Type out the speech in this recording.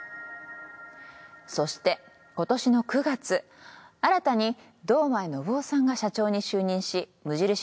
そして今年の９月新たに堂前宣夫さんが社長に就任し無印